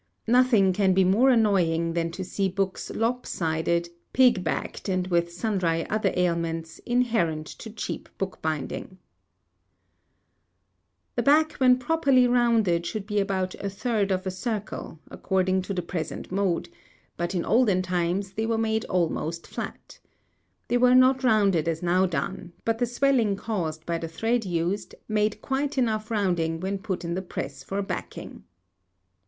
Nothing can be more annoying than to see books lop sided, pig backed, and with sundry other ailments, inherent to cheap bookbinding. |48| [Illustration: Rounding Machine.] The back when properly rounded should be about a third of a circle, according to the present mode, but in olden times they were made almost flat. They were not rounded as now done, but the swelling caused by the thread used made quite enough rounding when put in the press for backing.